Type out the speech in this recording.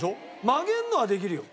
曲げるのはできるよ。